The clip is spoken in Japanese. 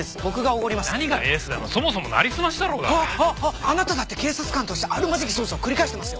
あなただって警察官としてあるまじき捜査を繰り返してますよ。